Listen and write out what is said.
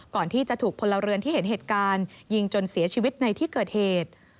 ก่อนที่จะถูกพลเรือนที่เห็นเหตุการณ์ยิงจนเสียชีวิตในที่เกิดเหตุ